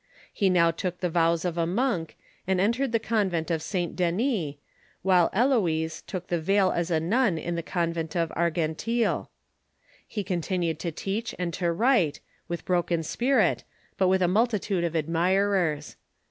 He now took the vows of a monk, and entered the Convent of St. Denis, while Heloise took the veil as a nun in the Convent of Argenteuil. He con tinued to teach and to write, with broken spirit, but with a multitude of admirers.